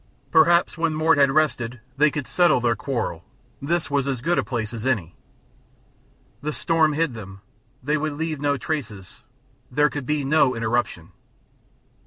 Perhaps, when Mort had rested, they could settle their quarrel; this was as good a place as any. The storm hid them, they would leave no traces, there could be no interruption.